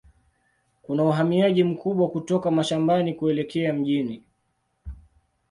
Kuna uhamiaji mkubwa kutoka mashambani kuelekea mjini.